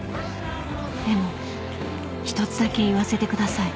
［でも一つだけ言わせてください］